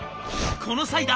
「この際だ